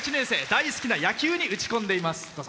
大好きな野球に打ち込んでいます。